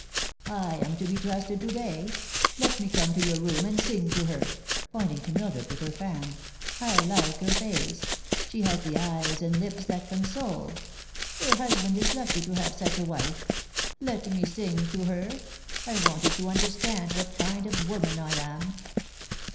" I am to be trusted to day. Let me come to your room and sing to her," pointing to Mildred with her fan. "I like her face. She has the eyes and lips that console. Her husband is lucky to have such a wife. Let me sing to her. I want her to under stand what kind of woman I am."